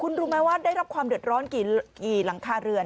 คุณรู้ไหมว่าได้รับความเดือดร้อนกี่หลังคาเรือน